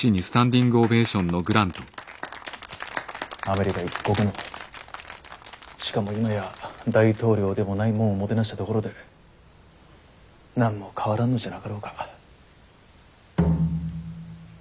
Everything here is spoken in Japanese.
アメリカ一国のしかも今や大統領でもないもんをもてなしたところで何も変わらんのじゃなかろうか。